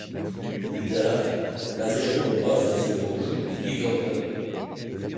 Plus tard, la région passe sous le joug des Byzantins.